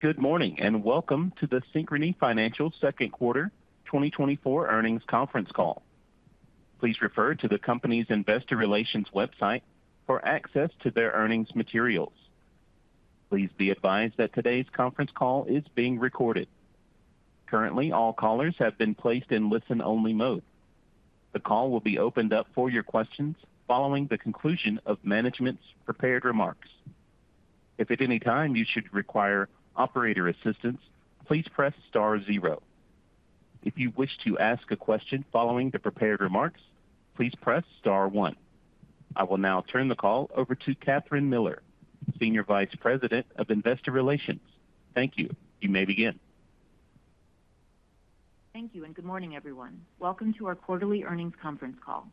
Good morning, and welcome to the Synchrony Financial Second Quarter 2024 Earnings Conference Call. Please refer to the company's Investor Relations website for access to their earnings materials. Please be advised that today's conference call is being recorded. Currently, all callers have been placed in listen-only mode. The call will be opened up for your questions following the conclusion of management's prepared remarks. If at any time you should require operator assistance, please press star zero. If you wish to ask a question following the prepared remarks, please press star one. I will now turn the call over to Kathryn Miller, Senior Vice President of Investor Relations. Thank you. You may begin. Thank you, and good morning, everyone. Welcome to our quarterly earnings conference call.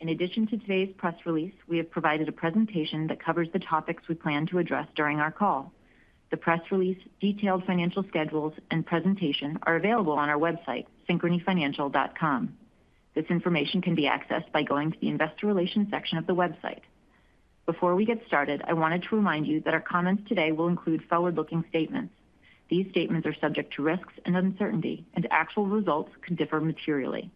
In addition to today's press release, we have provided a presentation that covers the topics we plan to address during our call. The press release, detailed financial schedules, and presentation are available on our website, synchronyfinancial.com. This information can be accessed by going to the Investor Relations section of the website. Before we get started, I wanted to remind you that our comments today will include forward-looking statements. These statements are subject to risks and uncertainty, and actual results could differ materially.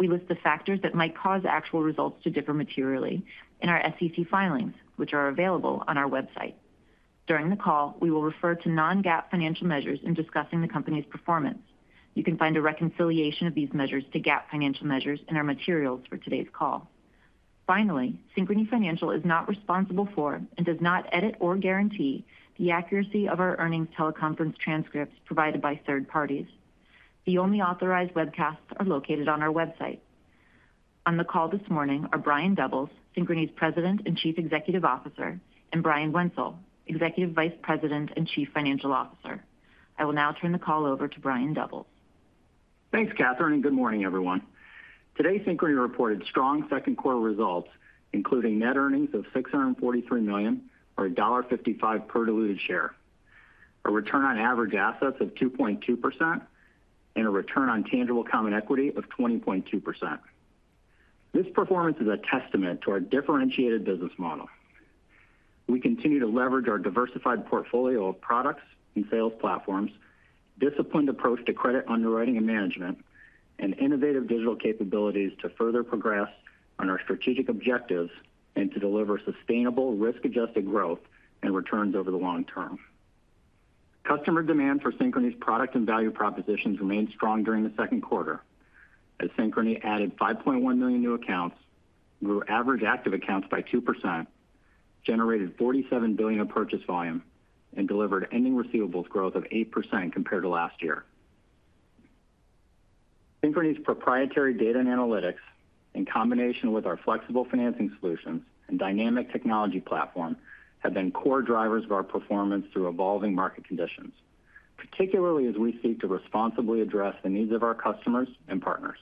We list the factors that might cause actual results to differ materially in our SEC filings, which are available on our website. During the call, we will refer to non-GAAP financial measures in discussing the company's performance. You can find a reconciliation of these measures to GAAP financial measures in our materials for today's call. Finally, Synchrony Financial is not responsible for and does not edit or guarantee the accuracy of our earnings teleconference transcripts provided by third parties. The only authorized webcasts are located on our website. On the call this morning are Brian Doubles, Synchrony's President and Chief Executive Officer, and Brian Wenzel, Executive Vice President and Chief Financial Officer. I will now turn the call over to Brian Doubles. Thanks, Kathryn, and good morning, everyone. Today, Synchrony reported strong second quarter results, including net earnings of $643 million, or $1.55 per diluted share, a return on average assets of 2.2%, and a return on tangible common equity of 20.2%. This performance is a testament to our differentiated business model. We continue to leverage our diversified portfolio of products and sales platforms, disciplined approach to credit underwriting and management, and innovative digital capabilities to further progress on our strategic objectives and to deliver sustainable risk-adjusted growth and returns over the long term. Customer demand for Synchrony's product and value propositions remained strong during the second quarter, as Synchrony added 5.1 million new accounts, grew average active accounts by 2%, generated $47 billion of purchase volume, and delivered ending receivables growth of 8% compared to last year. Synchrony's proprietary data and analytics, in combination with our flexible financing solutions and dynamic technology platform, have been core drivers of our performance through evolving market conditions, particularly as we seek to responsibly address the needs of our customers and partners.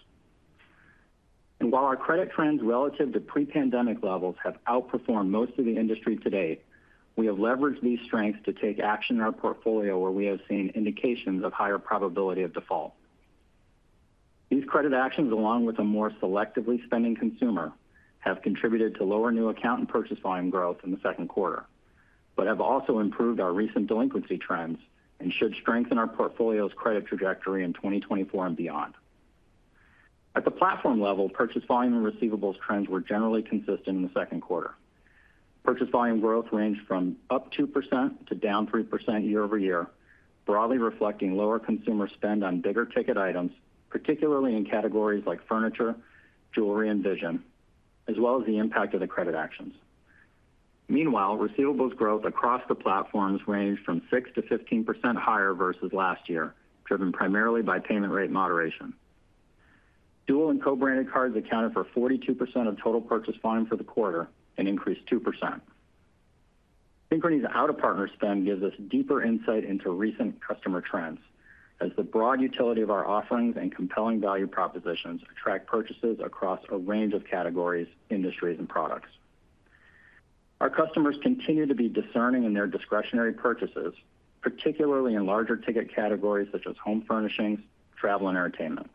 While our credit trends relative to pre-pandemic levels have outperformed most of the industry to date, we have leveraged these strengths to take action in our portfolio where we have seen indications of higher probability of default. These credit actions, along with a more selectively spending consumer, have contributed to lower new account and purchase volume growth in the second quarter, but have also improved our recent delinquency trends and should strengthen our portfolio's credit trajectory in 2024 and beyond. At the platform level, purchase volume and receivables trends were generally consistent in the second quarter. Purchase volume growth ranged from up 2% to down 3% year-over-year, broadly reflecting lower consumer spend on bigger ticket items, particularly in categories like furniture, jewelry, and vision, as well as the impact of the credit actions. Meanwhile, receivables growth across the platforms ranged from 6%-15% higher versus last year, driven primarily by payment rate moderation. Dual and co-branded cards accounted for 42% of total purchase volume for the quarter and increased 2%. Synchrony's out-of-partner spend gives us deeper insight into recent customer trends, as the broad utility of our offerings and compelling value propositions attract purchases across a range of categories, industries, and products. Our customers continue to be discerning in their discretionary purchases, particularly in larger ticket categories such as home furnishings, travel, and entertainment.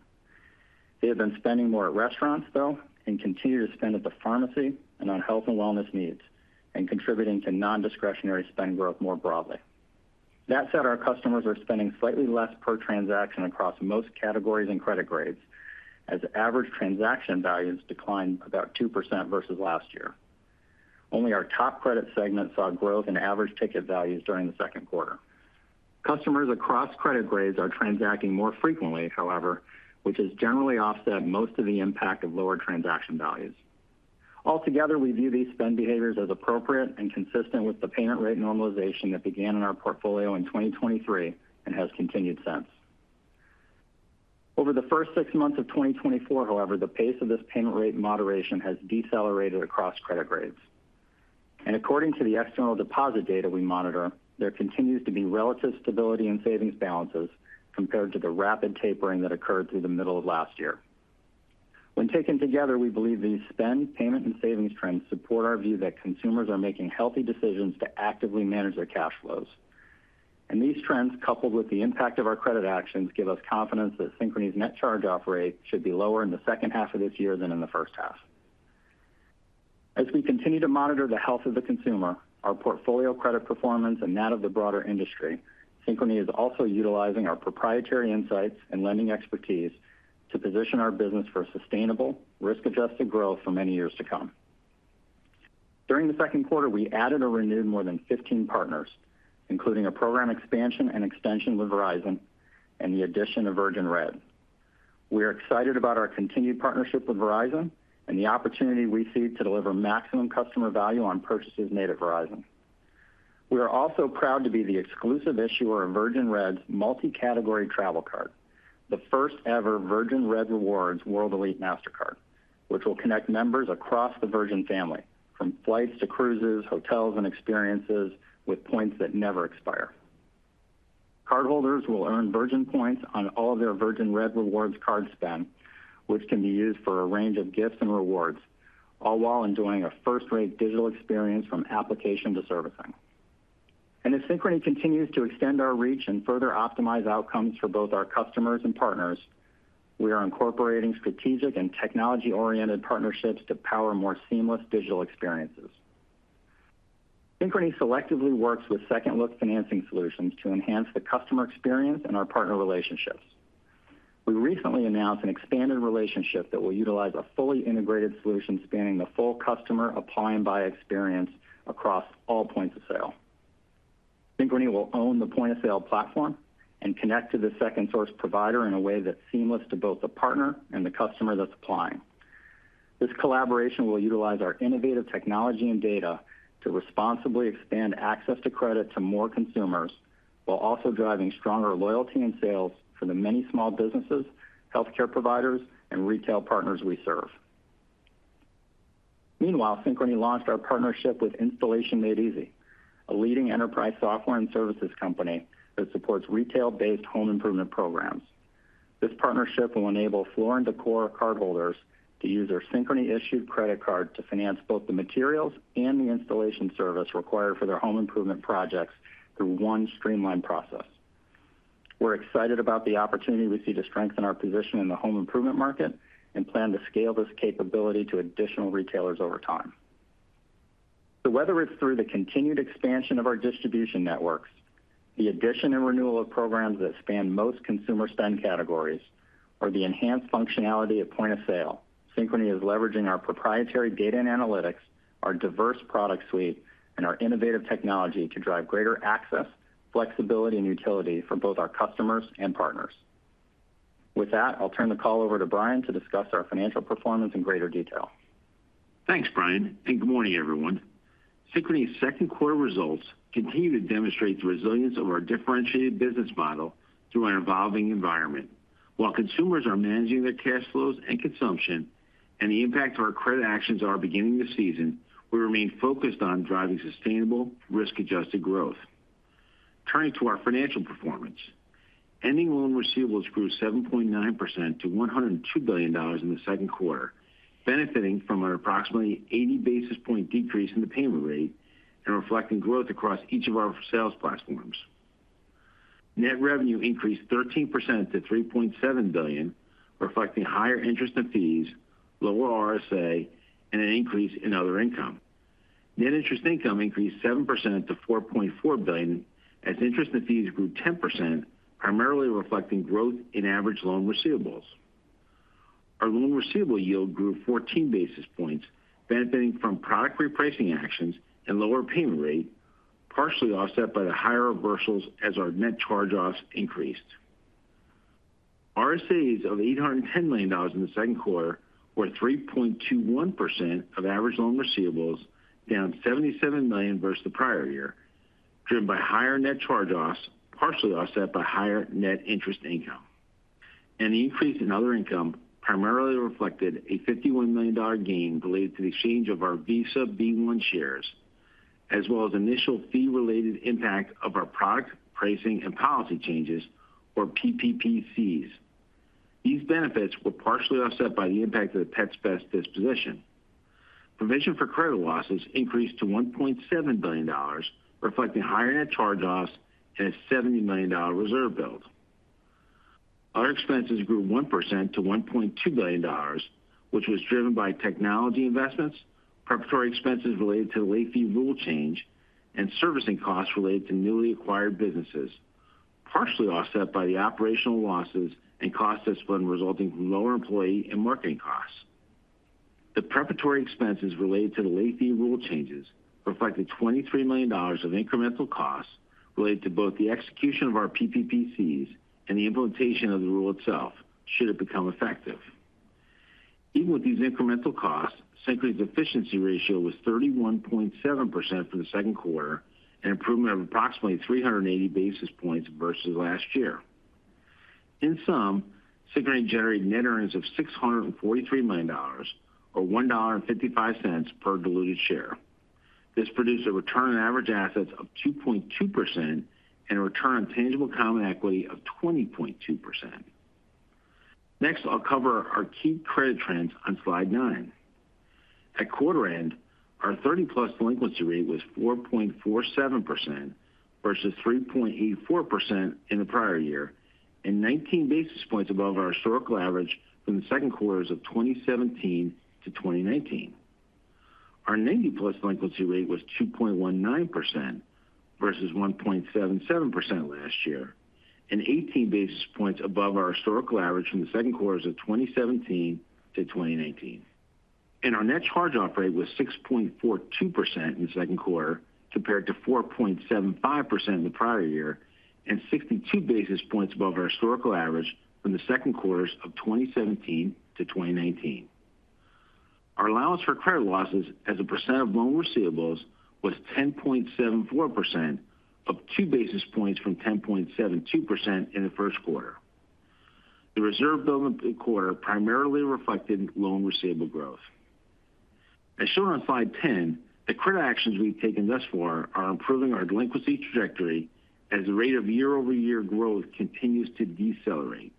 They have been spending more at restaurants, though, and continue to spend at the pharmacy and on health and wellness needs, and contributing to non-discretionary spend growth more broadly. That said, our customers are spending slightly less per transaction across most categories and credit grades, as average transaction values declined about 2% versus last year. Only our top credit segment saw growth in average ticket values during the second quarter. Customers across credit grades are transacting more frequently, however, which has generally offset most of the impact of lower transaction values. Altogether, we view these spend behaviors as appropriate and consistent with the payment rate normalization that began in our portfolio in 2023 and has continued since. Over the first 6 months of 2024, however, the pace of this payment rate moderation has decelerated across credit grades. According to the external deposit data we monitor, there continues to be relative stability in savings balances compared to the rapid tapering that occurred through the middle of last year. When taken together, we believe these spend, payment, and savings trends support our view that consumers are making healthy decisions to actively manage their cash flows. These trends, coupled with the impact of our credit actions, give us confidence that Synchrony's net charge-off rate should be lower in the second half of this year than in the first half. As we continue to monitor the health of the consumer, our portfolio credit performance, and that of the broader industry, Synchrony is also utilizing our proprietary insights and lending expertise to position our business for sustainable risk-adjusted growth for many years to come. During the second quarter, we added or renewed more than 15 partners, including a program expansion and extension with Verizon and the addition of Virgin Red. We are excited about our continued partnership with Verizon and the opportunity we see to deliver maximum customer value on purchases made at Verizon. We are also proud to be the exclusive issuer of Virgin Red's multi-category travel card, the first-ever Virgin Red Rewards World Elite Mastercard, which will connect members across the Virgin family, from flights to cruises, hotels, and experiences, with points that never expire. Cardholders will earn Virgin points on all their Virgin Red Rewards card spend, which can be used for a range of gifts and rewards, all while enjoying a first-rate digital experience from application to servicing. And as Synchrony continues to extend our reach and further optimize outcomes for both our customers and partners, we are incorporating strategic and technology-oriented partnerships to power more seamless digital experiences. Synchrony selectively works with second-look financing solutions to enhance the customer experience and our partner relationships. We recently announced an expanded relationship that will utilize a fully integrated solution spanning the full customer apply and buy experience across all points of sale. Synchrony will own the point-of-sale platform and connect to the second-source provider in a way that's seamless to both the partner and the customer that's applying. This collaboration will utilize our innovative technology and data to responsibly expand access to credit to more consumers, while also driving stronger loyalty and sales for the many small businesses, healthcare providers, and retail partners we serve. Meanwhile, Synchrony launched our partnership with Installation Made Easy, a leading enterprise software and services company that supports retail-based home improvement programs. This partnership will enable Floor & Decor cardholders to use their Synchrony-issued credit card to finance both the materials and the installation service required for their home improvement projects through one streamlined process. We're excited about the opportunity we see to strengthen our position in the home improvement market and plan to scale this capability to additional retailers over time. So whether it's through the continued expansion of our distribution networks, the addition and renewal of programs that span most consumer spend categories, or the enhanced functionality at point of sale, Synchrony is leveraging our proprietary data and analytics, our diverse product suite, and our innovative technology to drive greater access, flexibility, and utility for both our customers and partners. With that, I'll turn the call over to Brian to discuss our financial performance in greater detail. Thanks, Brian, and good morning, everyone. Synchrony's second quarter results continue to demonstrate the resilience of our differentiated business model through an evolving environment. While consumers are managing their cash flows and consumption and the impact of our credit actions are beginning to season, we remain focused on driving sustainable risk-adjusted growth. Turning to our financial performance, ending loan receivables grew 7.9% to $102 billion in the second quarter, benefiting from an approximately 80 basis point decrease in the payment rate and reflecting growth across each of our sales platforms. Net revenue increased 13% to $3.7 billion, reflecting higher interest and fees, lower RSA, and an increase in other income. Net interest income increased 7% to $4.4 billion, as interest and fees grew 10%, primarily reflecting growth in average loan receivables. Our loan receivable yield grew 14 basis points, benefiting from product repricing actions and lower payment rate, partially offset by the higher reversals as our net charge-offs increased. RSAs of $810 million in the second quarter were 3.21% of average loan receivables, down $77 million versus the prior year, driven by higher net charge-offs, partially offset by higher net interest income. An increase in other income primarily reflected a $51 million gain related to the exchange of our Visa Class B-1 shares, as well as initial fee-related impact of our product pricing and policy changes, or PPPCs. These benefits were partially offset by the impact of the Pets Best disposition. Provision for credit losses increased to $1.7 billion, reflecting higher net charge-offs and a $70 million reserve build. Other expenses grew 1% to $1.2 billion, which was driven by technology investments, preparatory expenses related to the late fee rule change, and servicing costs related to newly acquired businesses, partially offset by the operational losses and cost discipline resulting from lower employee and marketing costs. The preparatory expenses related to the late fee rule changes reflected $23 million of incremental costs related to both the execution of our PPPCs and the implementation of the rule itself should it become effective. Even with these incremental costs, Synchrony's efficiency ratio was 31.7% for the second quarter, an improvement of approximately 380 basis points versus last year. In sum, Synchrony generated net earnings of $643 million or $1.55 per diluted share. This produced a return on average assets of 2.2% and a return on tangible common equity of 20.2%. Next, I'll cover our key credit trends on slide nine. At quarter end, our 30-plus delinquency rate was 4.47% versus 3.84% in the prior year, and 19 basis points above our historical average from the second quarters of 2017 to 2019. Our 90-plus delinquency rate was 2.19% versus 1.77% last year, and 18 basis points above our historical average from the second quarters of 2017 to 2019. Our net charge-off rate was 6.42% in the second quarter, compared to 4.75% in the prior year, and 62 basis points above our historical average from the second quarters of 2017 to 2019. Our allowance for credit losses as a percent of loan receivables was 10.74%, up 2 basis points from 10.72% in the first quarter. The reserve build in the quarter primarily reflected loan receivable growth. As shown on slide 10, the credit actions we've taken thus far are improving our delinquency trajectory as the rate of year-over-year growth continues to decelerate.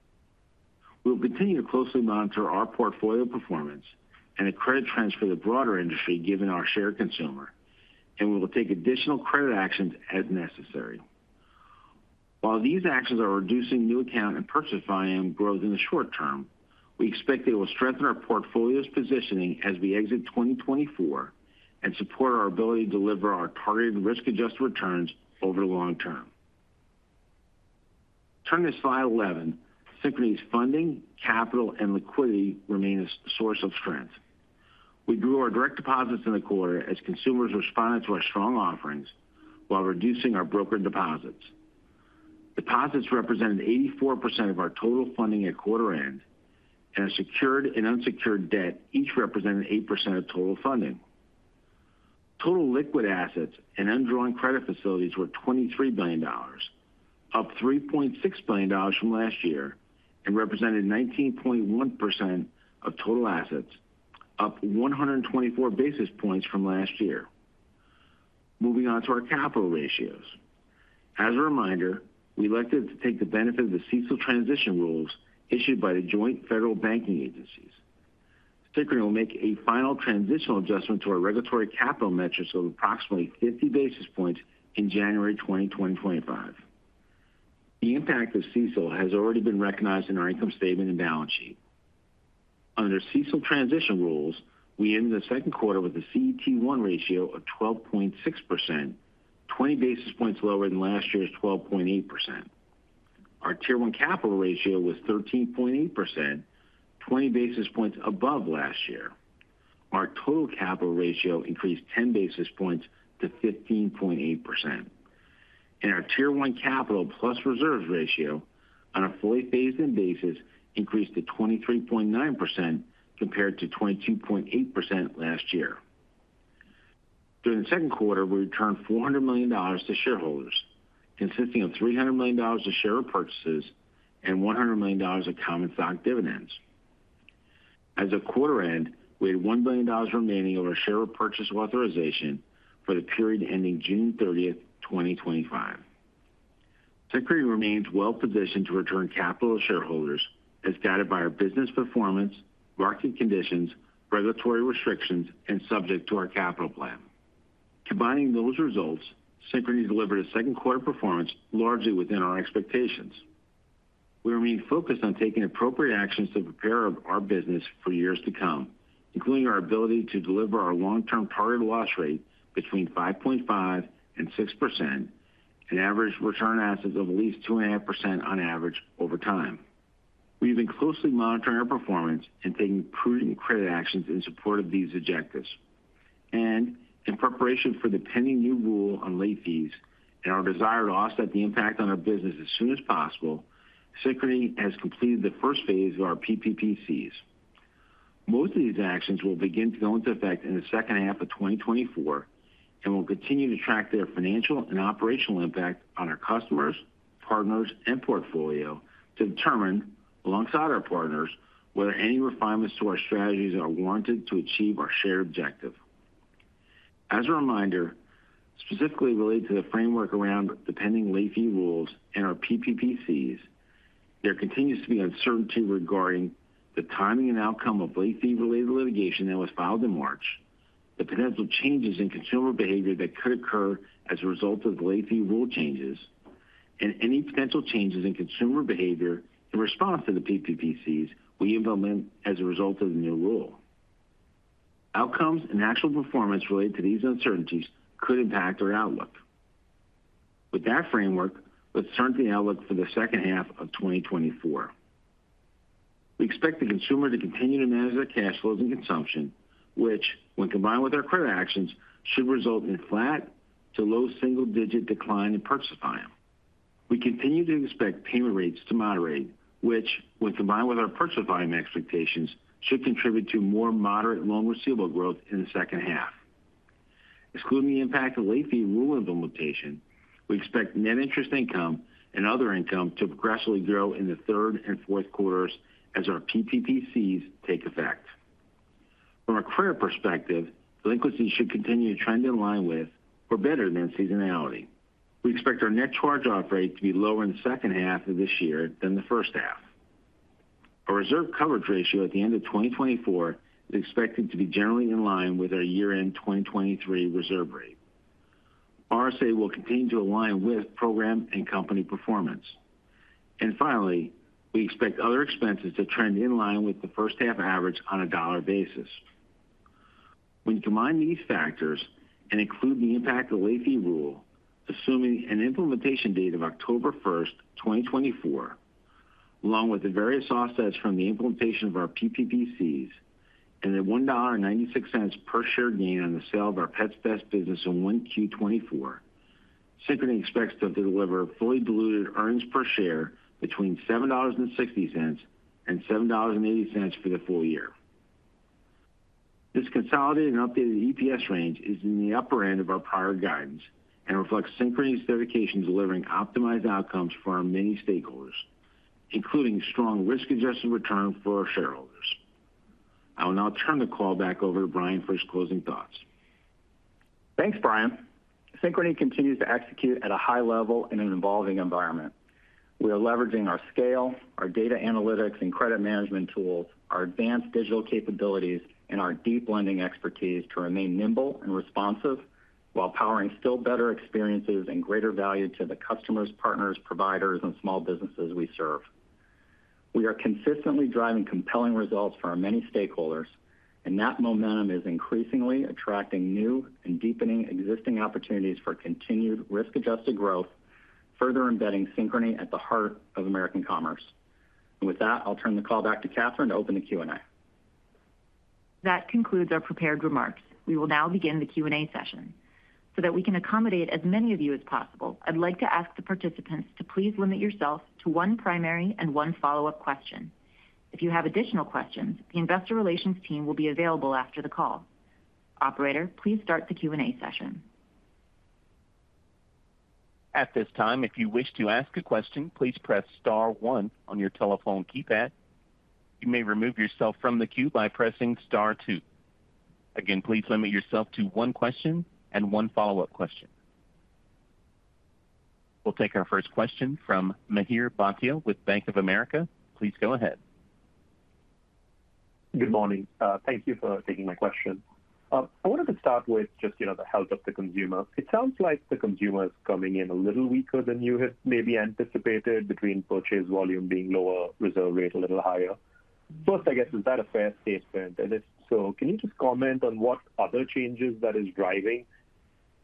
We'll continue to closely monitor our portfolio performance and the credit trends for the broader industry, given our shared consumer, and we will take additional credit actions as necessary. While these actions are reducing new account and purchase volume growth in the short term, we expect they will strengthen our portfolio's positioning as we exit 2024, and support our ability to deliver our targeted risk-adjusted returns over the long term. Turning to slide 11, Synchrony's funding, capital, and liquidity remain a source of strength. We grew our direct deposits in the quarter as consumers responded to our strong offerings while reducing our brokered deposits. Deposits represented 84% of our total funding at quarter end, and our secured and unsecured debt each represented 8% of total funding. Total liquid assets and undrawn credit facilities were $23 billion, up $3.6 billion from last year, and represented 19.1% of total assets, up 124 basis points from last year. Moving on to our capital ratios. As a reminder, we elected to take the benefit of the CECL transition rules issued by the joint federal banking agencies. Synchrony will make a final transitional adjustment to our regulatory capital metrics of approximately 50 basis points in January 2025. The impact of CECL has already been recognized in our income statement and balance sheet. Under CECL transition rules, we ended the second quarter with a CET1 ratio of 12.6%, 20 basis points lower than last year's 12.8%. Our Tier One capital ratio was 13.8%, 20 basis points above last year. Our total capital ratio increased 10 basis points to 15.8%. Our Tier One capital plus reserves ratio on a fully phased-in basis increased to 23.9%, compared to 22.8% last year. During the second quarter, we returned $400 million to shareholders, consisting of $300 million to share repurchases and $100 million of common stock dividends. As of quarter end, we had $1 billion remaining over our share repurchase authorization for the period ending June 30th, 2025. Synchrony remains well positioned to return capital to shareholders, as guided by our business performance, market conditions, regulatory restrictions, and subject to our capital plan. Combining those results, Synchrony delivered a second quarter performance largely within our expectations. We remain focused on taking appropriate actions to prepare our business for years to come, including our ability to deliver our long-term targeted loss rate between 5.5% and 6%, and average return on assets of at least 2.5% on average over time. We've been closely monitoring our performance and taking prudent credit actions in support of these objectives. In preparation for the pending new rule on late fees and our desire to offset the impact on our business as soon as possible, Synchrony has completed the first phase of our PPPCs. Most of these actions will begin to go into effect in the second half of 2024, and we'll continue to track their financial and operational impact on our customers, partners, and portfolio to determine, alongside our partners, whether any refinements to our strategies are warranted to achieve our shared objective. As a reminder, specifically related to the framework around the pending late fee rules and our PPPCs, there continues to be uncertainty regarding the timing and outcome of late fee-related litigation that was filed in March, the potential changes in consumer behavior that could occur as a result of the late fee rule changes, and any potential changes in consumer behavior in response to the PPPCs we implement as a result of the new rule. Outcomes and actual performance related to these uncertainties could impact our outlook. With that framework, let's turn to the outlook for the second half of 2024. We expect the consumer to continue to manage their cash flows and consumption, which, when combined with our credit actions, should result in a flat to low single-digit decline in purchase volume. We continue to expect payment rates to moderate, which, when combined with our purchase volume expectations, should contribute to more moderate loan receivable growth in the second half. Excluding the impact of late fee rule implementation, we expect net interest income and other income to progressively grow in the third and fourth quarters as our PPPCs take effect. From a credit perspective, delinquency should continue to trend in line with or better than seasonality. We expect our net charge-off rate to be lower in the second half of this year than the first half. Our reserve coverage ratio at the end of 2024 is expected to be generally in line with our year-end 2023 reserve rate. RSA will continue to align with program and company performance. And finally, we expect other expenses to trend in line with the first half average on a dollar basis. When you combine these factors and include the impact of the fee rule, assuming an implementation date of October 1st, 2024, along with the various offsets from the implementation of our PPPCs and a $1.96 per share gain on the sale of our Pets Best business in 1Q 2024, Synchrony expects to deliver fully diluted earnings per share between $7.60 and $7.80 for the full year. This consolidated and updated EPS range is in the upper end of our prior guidance and reflects Synchrony's dedication to delivering optimized outcomes for our many stakeholders, including strong risk-adjusted returns for our shareholders. I will now turn the call back over to Brian for his closing thoughts. Thanks, Brian. Synchrony continues to execute at a high level in an evolving environment. We are leveraging our scale, our data analytics and credit management tools, our advanced digital capabilities, and our deep lending expertise to remain nimble and responsive while powering still better experiences and greater value to the customers, partners, providers, and small businesses we serve. We are consistently driving compelling results for our many stakeholders, and that momentum is increasingly attracting new and deepening existing opportunities for continued risk-adjusted growth, further embedding Synchrony at the heart of American commerce. With that, I'll turn the call back to Kathryn to open the Q&A. That concludes our prepared remarks. We will now begin the Q&A session. So that we can accommodate as many of you as possible, I'd like to ask the participants to please limit yourself to one primary and one follow-up question. If you have additional questions, the Investor Relations team will be available after the call. Operator, please start the Q&A session. At this time, if you wish to ask a question, please press star one on your telephone keypad. You may remove yourself from the queue by pressing star two. Again, please limit yourself to one question and one follow-up question. We'll take our first question from Mihir Bhatia with Bank of America. Please go ahead. Good morning. Thank you for taking my question. I wanted to start with just, you know, the health of the consumer. It sounds like the consumer is coming in a little weaker than you had maybe anticipated, between purchase volume being lower, reserve rate a little higher. First, I guess, is that a fair statement? And if so, can you just comment on what other changes that is driving?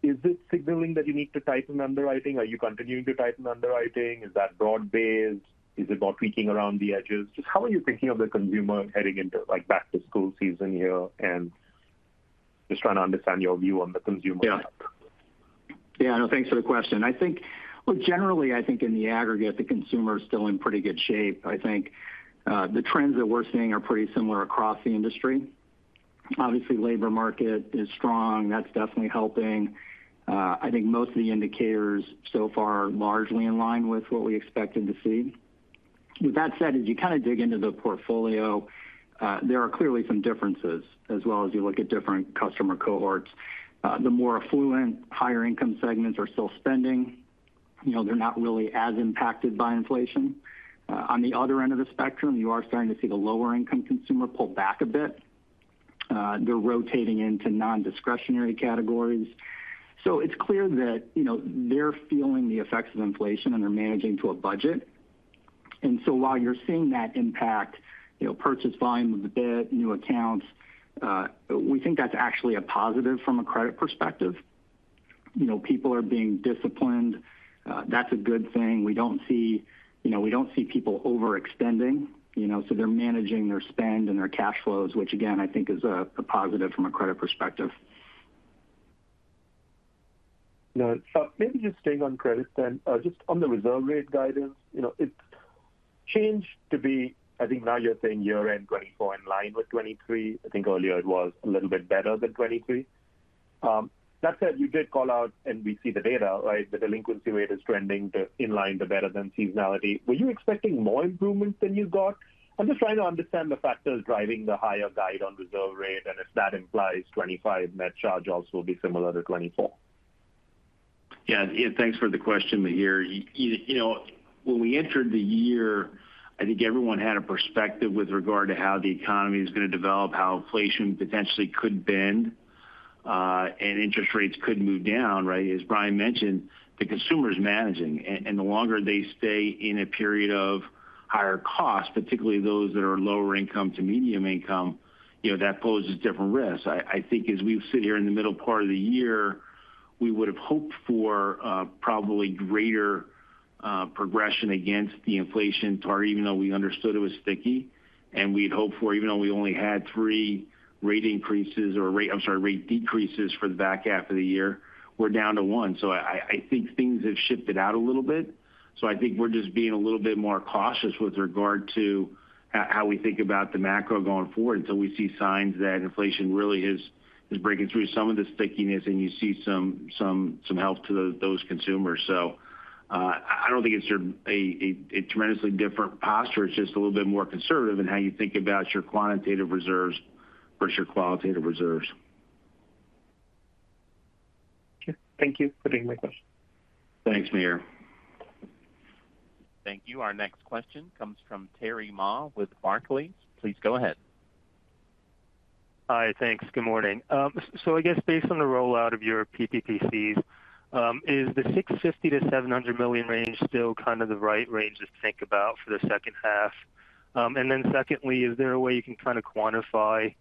Is this signaling that you need to tighten underwriting? Are you continuing to tighten underwriting? Is that broad-based? Is it about tweaking around the edges? Just how are you thinking of the consumer heading into, like, back-to-school season here, and just trying to understand your view on the consumer health? Yeah. Yeah, no, thanks for the question. I think, well, generally, I think in the aggregate, the consumer is still in pretty good shape. I think the trends that we're seeing are pretty similar across the industry. Obviously, labor market is strong. That's definitely helping. I think most of the indicators so far are largely in line with what we expected to see. With that said, as you kind of dig into the portfolio, there are clearly some differences as well, as you look at different customer cohorts. The more affluent, higher income segments are still spending. You know, they're not really as impacted by inflation. On the other end of the spectrum, you are starting to see the lower income consumer pull back a bit. They're rotating into non-discretionary categories. So it's clear that, you know, they're feeling the effects of inflation, and they're managing to a budget. And so while you're seeing that impact, you know, purchase volume a bit, new accounts, we think that's actually a positive from a credit perspective. You know, people are being disciplined. That's a good thing. We don't see, you know, we don't see people overextending, you know, so they're managing their spend and their cash flows, which again, I think is a positive from a credit perspective. Now, maybe just staying on credit then, just on the reserve rate guidance, you know, it's changed to be I think now you're saying year-end 2024 in line with 2023. I think earlier it was a little bit better than 2023. That said, you did call out and we see the data, right? The delinquency rate is trending to in line to better than seasonality. Were you expecting more improvements than you got? I'm just trying to understand the factors driving the higher guide on reserve rate, and if that implies 2025, net charge-offs will be similar to 2024. Yeah, thanks for the question, Mihir. You know, when we entered the year, I think everyone had a perspective with regard to how the economy is going to develop, how inflation potentially could bend, and interest rates could move down, right? As Brian mentioned, the consumer is managing, and the longer they stay in a period of higher costs, particularly those that are lower income to medium income, you know, that poses different risks. I think as we sit here in the middle part of the year, we would have hoped for, probably greater, progression against the inflation target, even though we understood it was sticky, and we'd hoped for even though we only had three rate increases or rate-- I'm sorry, rate decreases for the back half of the year, we're down to one. So I think things have shifted out a little bit. So I think we're just being a little bit more cautious with regard to how we think about the macro going forward, until we see signs that inflation really is breaking through some of the stickiness, and you see some help to those consumers. So I don't think it's a tremendously different posture. It's just a little bit more conservative in how you think about your quantitative reserves versus your qualitative reserves. Okay. Thank you for taking my question. Thanks, Mihir. Thank you. Our next question comes from Terry Ma with Barclays. Please go ahead. Hi, thanks. Good morning. So, I guess based on the rollout of your PPPCs, is the $650 million-$700 million range still kind of the right range to think about for the second half? And then, secondly, is there a way you can kind of quantify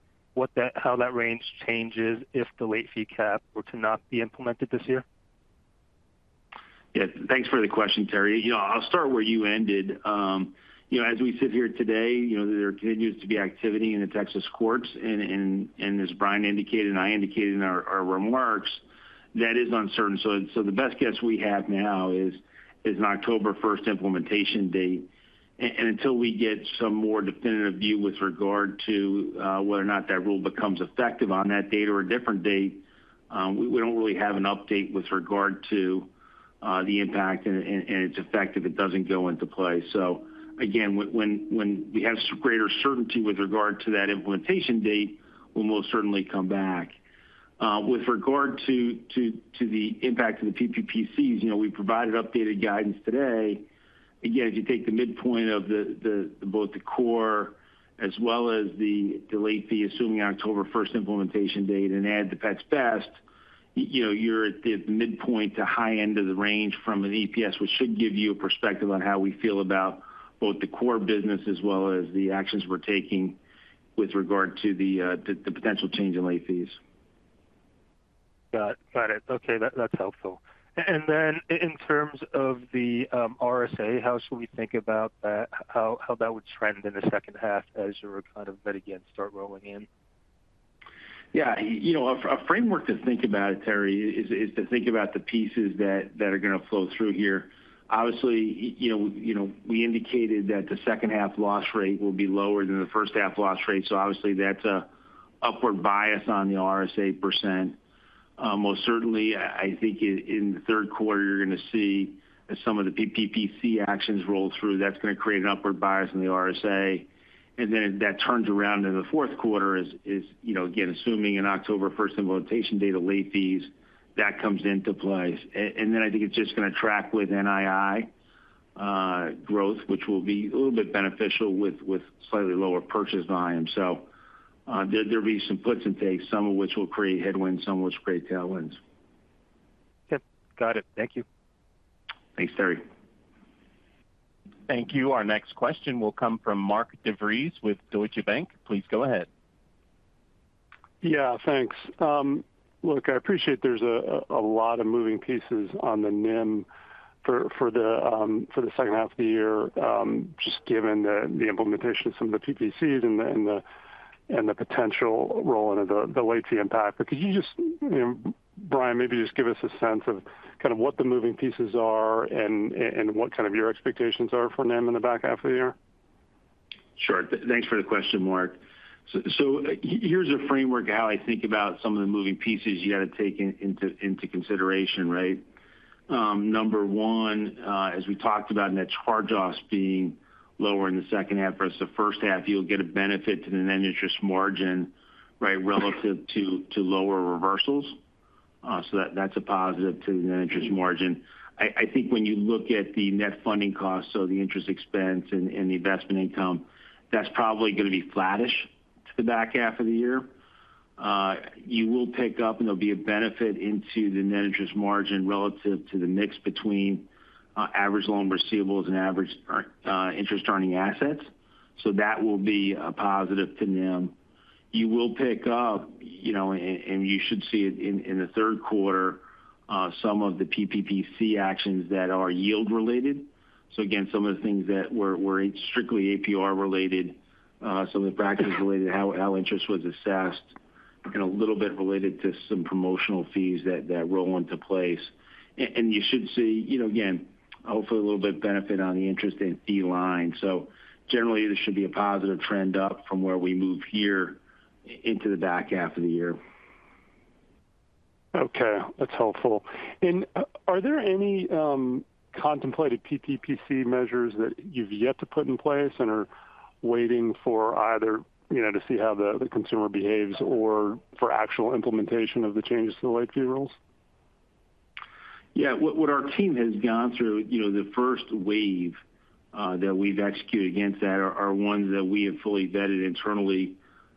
how that range changes if the late fee cap were to not be implemented this year? Yeah, thanks for the question, Terry. You know, I'll start where you ended. You know, as we sit here today, you know, there continues to be activity in the Texas courts, and as Brian indicated, and I indicated in our remarks, that is uncertain. So the best guess we have now is an October first implementation date. And until we get some more definitive view with regard to whether or not that rule becomes effective on that date or a different date, we don't really have an update with regard to the impact and its effect if it doesn't go into play. So again, when we have some greater certainty with regard to that implementation date, we'll most certainly come back. With regard to the impact of the PPPCs, you know, we provided updated guidance today. Again, if you take the midpoint of both the core as well as the late fee, assuming October first implementation date and add the Pets Best, you know, you're at the midpoint to high end of the range from an EPS, which should give you a perspective on how we feel about both the core business as well as the actions we're taking with regard to the potential change in late fees. Got it. Okay, that's helpful. And then in terms of the RSA, how should we think about that? How that would trend in the second half as you were kind of yet again start rolling in? Yeah, you know, a framework to think about it, Terry, is to think about the pieces that are going to flow through here. Obviously, you know, we indicated that the second half loss rate will be lower than the first half loss rate, so obviously that's an upward bias on the RSA percent. Most certainly, I think in the third quarter, you're going to see as some of the PPPC actions roll through, that's going to create an upward bias in the RSA. And then as that turns around in the fourth quarter, you know, again, assuming an October first implementation date of late fees, that comes into place. And then I think it's just going to track with NII growth, which will be a little bit beneficial with slightly lower purchase volume. There'll be some puts and takes, some of which will create headwinds, some of which will create tailwinds. Yep. Got it. Thank you. Thanks, Terry. Thank you. Our next question will come from Mark DeVries with Deutsche Bank. Please go ahead. Yeah, thanks. Look, I appreciate there's a lot of moving pieces on the NIM for the second half of the year, just given the implementation of some of the PPPCs and the potential rollout of the late fee impact. But could you just, you know, Brian, maybe just give us a sense of kind of what the moving pieces are and what kind of your expectations are for NIM in the back half of the year? Sure. Thanks for the question, Mark. So, so here's a framework of how I think about some of the moving pieces you got to take into consideration, right? Number one, as we talked about, net charge-offs being lower in the second half versus the first half, you'll get a benefit to the net interest margin, right? Relative to lower reversals. So that, that's a positive to the net interest margin. I think when you look at the net funding cost, so the interest expense and the investment income, that's probably going to be flattish to the back half of the year. You will pick up, and there'll be a benefit into the net interest margin relative to the mix between average loan receivables and average interest-earning assets. So that will be a positive to NIM. You will pick up, you know, and you should see it in the third quarter, some of the PPPC actions that are yield related. So again, some of the things that were strictly APR related, some of the practice related, how interest was assessed, and a little bit related to some promotional fees that roll into place. And you should see, you know, again, hopefully a little bit of benefit on the interest and fee line. So generally, this should be a positive trend up from where we move here into the back half of the year. Okay, that's helpful. And are there any contemplated PPPC measures that you've yet to put in place and are waiting for either, you know, to see how the consumer behaves or for actual implementation of the changes to the late fee rules? Yeah, what our team has gone through, you know, the first wave that we've executed against that are ones that we have fully vetted internally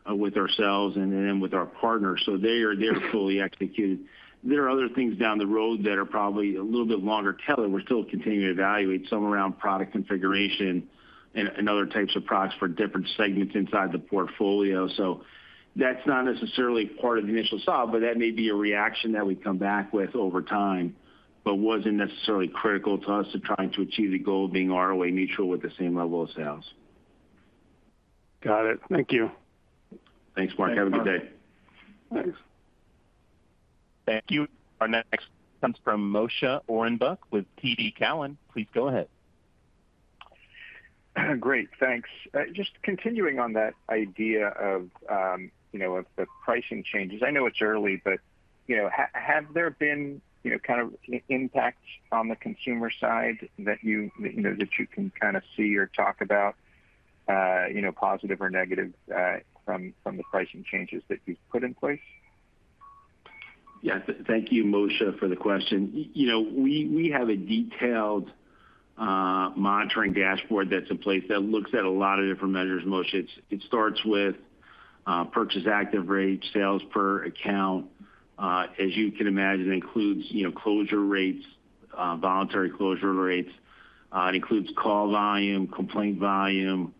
with ourselves and then with our partners, so they are, they're fully executed. There are other things down the road that are probably a little bit longer tailored. We're still continuing to evaluate some around product configuration and other types of products for different segments inside the portfolio. So that's not necessarily part of the initial solve, but that may be a reaction that we come back with over time, but wasn't necessarily critical to us trying to achieve the goal of being ROA neutral with the same level of sales. Got it. Thank you. Thanks, Mark. Have a good day. Thanks. Thank you. Our next comes from Moshe Orenbuch with TD Cowen. Please go ahead. Great, thanks. Just continuing on that idea of, you know, of the pricing changes. I know it's early, but, you know, have there been, you know, kind of impacts on the consumer side that you, you know, that you can kind of see or talk about? You know, positive or negative, from the pricing changes that you've put in place? Yes. Thank you, Moshe, for the question. You know, we have a detailed monitoring dashboard that's in place that looks at a lot of different measures, Moshe. It starts with purchase active rate, sales per account. As you can imagine, it includes, you know, closure rates, voluntary closure rates. It includes call volume, complaint volume,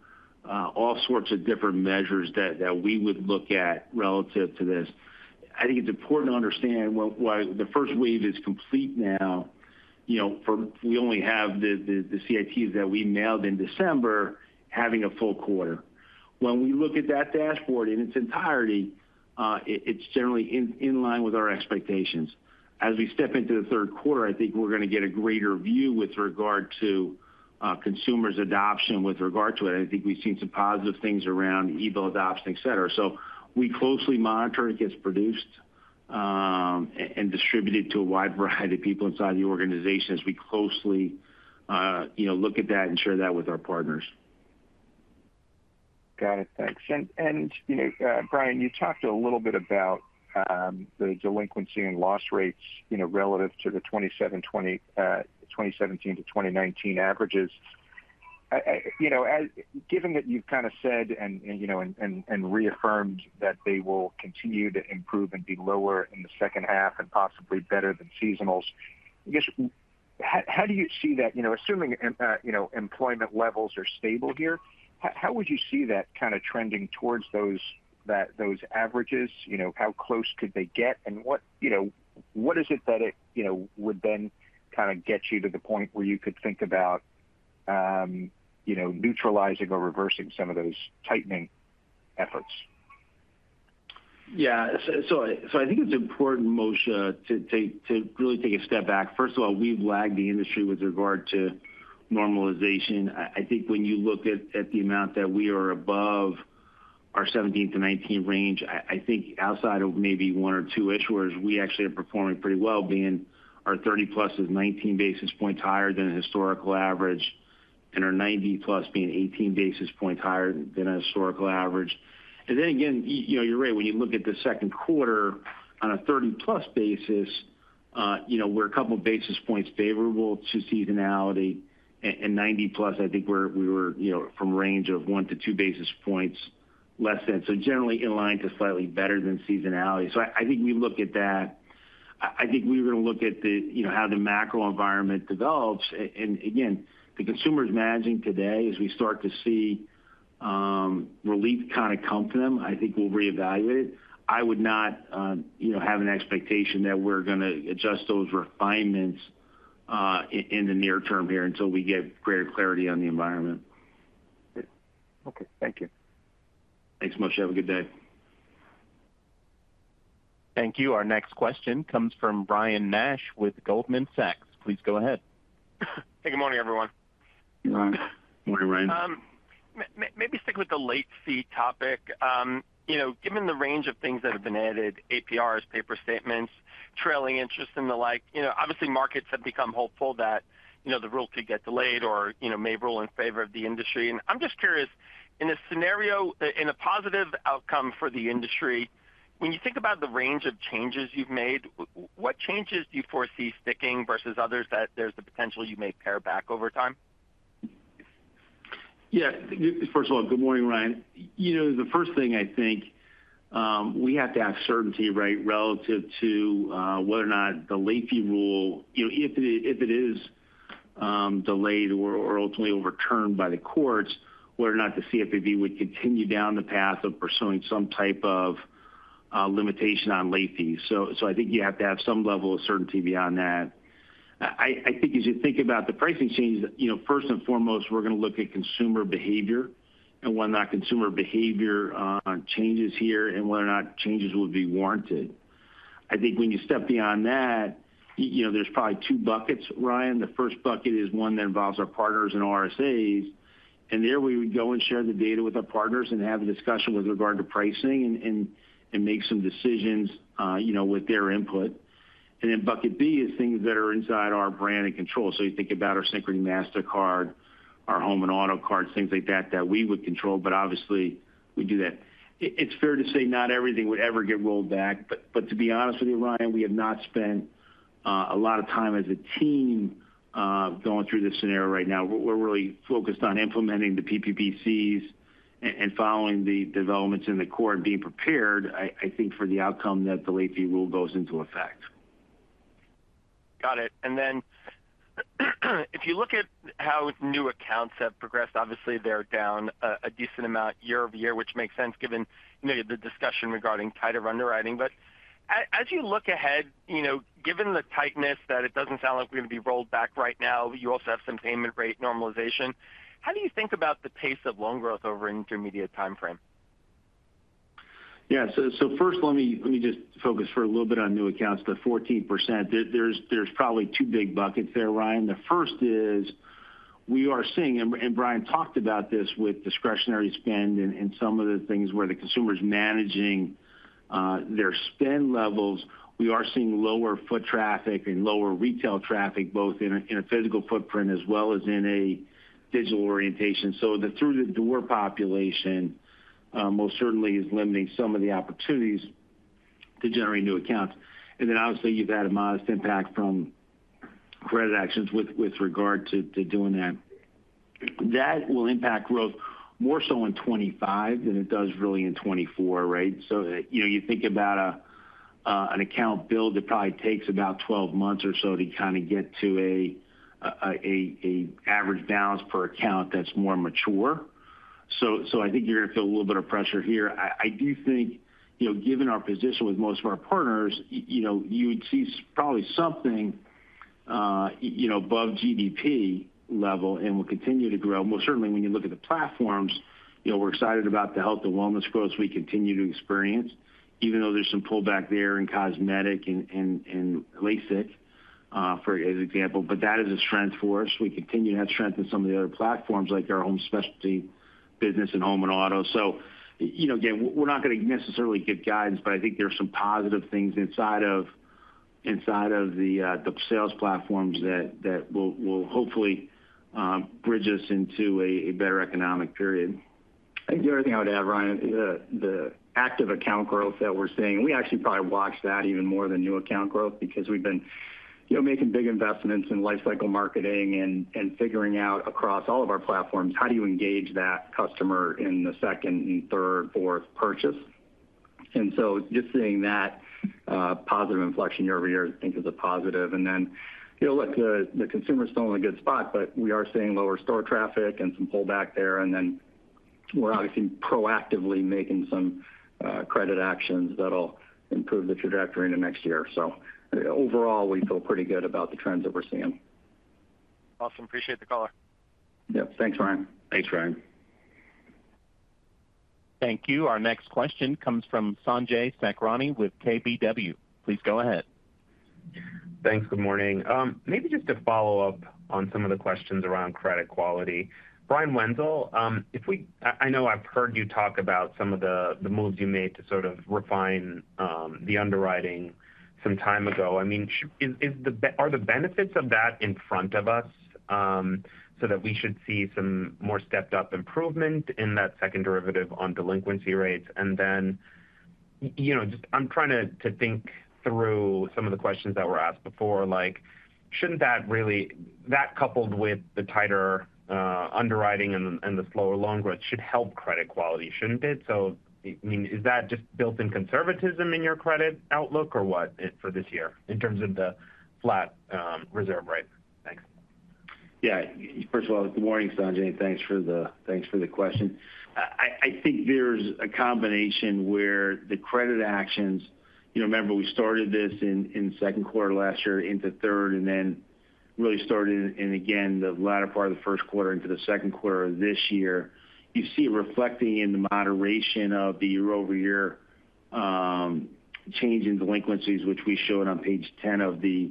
all sorts of different measures that we would look at relative to this. I think it's important to understand why the first wave is complete now, you know, for we only have the CITs that we nailed in December, having a full quarter. When we look at that dashboard in its entirety, it's generally in line with our expectations. As we step into the third quarter, I think we're going to get a greater view with regard to consumers' adoption with regard to it. I think we've seen some positive things around e-bill adoption, et cetera. So we closely monitor. It gets produced, and distributed to a wide variety of people inside the organization as we closely, you know, look at that and share that with our partners. Got it. Thanks. And you know, Brian, you talked a little bit about the delinquency and loss rates, you know, relative to the 2017, 2020, 2017 to 2019 averages. I. You know, given that you've kind of said and you know and reaffirmed that they will continue to improve and be lower in the second half and possibly better than seasonals, I guess, how do you see that? You know, assuming you know employment levels are stable here, how would you see that kind of trending towards those, that, those averages? You know, how close could they get, and what you know what is it that it you know would then kind of get you to the point where you could think about you know neutralizing or reversing some of those tightening efforts? Yeah. So I think it's important, Moshe, to really take a step back. First of all, we've lagged the industry with regard to normalization. I think when you look at the amount that we are above our 2017 to 2019 range, I think outside of maybe one or two issuers, we actually are performing pretty well, being our 30-plus is 19 basis points higher than a historical average, and our 90-plus being 18 basis points higher than a historical average. And then again, you know, you're right, when you look at the second quarter on a 30-plus basis, you know, we're a couple basis points favorable to seasonality. And 90-plus, I think we were, you know, from a range of one to two basis points less than, so generally in line to slightly better than seasonality. So I think we look at that. I think we're going to look at the, you know, how the macro environment develops. And again, the consumer's managing today, as we start to see relief kind of come to them, I think we'll reevaluate. I would not, you know, have an expectation that we're going to adjust those refinements in the near term here until we get greater clarity on the environment. Okay. Thank you. Thanks, Moshe. Have a good day. Thank you. Our next question comes from Ryan Nash with Goldman Sachs. Please go ahead. Hey, good morning, everyone. Good morning. Morning, Ryan. Maybe stick with the late fee topic. You know, given the range of things that have been added, APRs, paper statements, trailing interest and the like, you know, obviously, markets have become hopeful that, you know, the rule could get delayed or, you know, may rule in favor of the industry. I'm just curious, in a scenario, in a positive outcome for the industry, when you think about the range of changes you've made, what changes do you foresee sticking versus others that there's the potential you may pare back over time? Yeah. First of all, good morning, Ryan. You know, the first thing I think we have to have certainty, right, relative to whether or not the late fee rule... You know, if it is delayed or ultimately overturned by the courts, whether or not the CFPB would continue down the path of pursuing some type of limitation on late fees. So I think you have to have some level of certainty beyond that. I think as you think about the pricing changes, you know, first and foremost, we're going to look at consumer behavior and whether or not consumer behavior changes here and whether or not changes would be warranted. I think when you step beyond that, you know, there's probably two buckets, Ryan. The first bucket is one that involves our partners and RSAs, and there we would go and share the data with our partners and have a discussion with regard to pricing and make some decisions, you know, with their input. And then bucket B is things that are inside our brand and control. So you think about our Synchrony Mastercard, our home and auto cards, things like that, that we would control, but obviously, we do that. It's fair to say not everything would ever get rolled back, but to be honest with you, Ryan, we have not spent a lot of time as a team going through this scenario right now. We're really focused on implementing the PPPCs and following the developments in the court and being prepared, I think, for the outcome that the late fee rule goes into effect. Got it. And then, if you look at how new accounts have progressed, obviously they're down a decent amount year-over-year, which makes sense given, you know, the discussion regarding tighter underwriting. But as you look ahead, you know, given the tightness, that it doesn't sound like we're going to be rolled back right now, you also have some payment rate normalization. How do you think about the pace of loan growth over an intermediate timeframe? Yeah. So, first, let me just focus for a little bit on new accounts, the 14%. There's probably two big buckets there, Ryan. The first is, we are seeing, and Brian talked about this with discretionary spend and some of the things where the consumer's managing their spend levels. We are seeing lower foot traffic and lower retail traffic, both in a physical footprint as well as in a digital orientation. So the through-the-door population most certainly is limiting some of the opportunities to generate new accounts. And then obviously, you've had a modest impact from credit actions with regard to doing that. That will impact growth more so in 2025 than it does really in 2024, right? So, you know, you think about an account build, it probably takes about 12 months or so to kind of get to an average balance per account that's more mature. So, I think you're going to feel a little bit of pressure here. I do think, you know, given our position with most of our partners, you know, you would see probably something above GDP level and will continue to grow. Most certainly, when you look at the platforms, you know, we're excited about the health and wellness growth we continue to experience, even though there's some pullback there in cosmetic and LASIK, for example, but that is a strength for us. We continue to have strength in some of the other platforms, like our own specialty business in home and auto. So, you know, again, we're not going to necessarily give guidance, but I think there are some positive things inside of the sales platforms that will hopefully bridge us into a better economic period. I think the only thing I would add, Ryan, the active account growth that we're seeing, we actually probably watch that even more than new account growth because we've been, you know, making big investments in life cycle marketing and figuring out across all of our platforms, how do you engage that customer in the second and third, fourth purchase? And so just seeing that positive inflection year over year, I think, is a positive. And then, you know, look, the consumer's still in a good spot, but we are seeing lower store traffic and some pullback there. And then we're obviously proactively making some credit actions that'll improve the trajectory into next year. So overall, we feel pretty good about the trends that we're seeing. Awesome. Appreciate the call. Yep. Thanks, Ryan. Thanks, Ryan. Thank you. Our next question comes from Sanjay Sakhrani with KBW. Please go ahead. Thanks. Good morning. Maybe just to follow up on some of the questions around credit quality. Brian Wenzel, I know I've heard you talk about some of the moves you made to sort of refine the underwriting some time ago. I mean, are the benefits of that in front of us, so that we should see some more stepped-up improvement in that second derivative on delinquency rates? And then, you know, just I'm trying to think through some of the questions that were asked before. Like, shouldn't that really, that coupled with the tighter underwriting and the slower loan growth, should help credit quality, shouldn't it? So, I mean, is that just built-in conservatism in your credit outlook, or what, for this year, in terms of the flat reserve rate? Thanks. Yeah. First of all, good morning, Sanjay, thanks for the, thanks for the question. I, I think there's a combination where the credit actions... You know, remember we started this in, in the second quarter last year into third, and then really started in again, the latter part of the first quarter into the second quarter of this year. You see it reflecting in the moderation of the year-over-year change in delinquencies, which we showed on page 10 of the